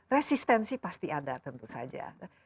resistensi pasti ada tentu saja